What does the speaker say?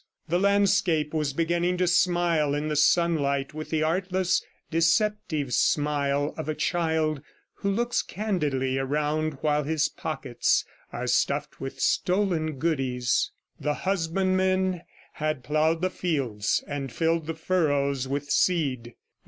The landscape was beginning to smile in the sunlight with the artless, deceptive smile of a child who looks candidly around while his pockets are stuffed with stolen goodies. The husbandmen had ploughed the fields and filled the furrows with seed.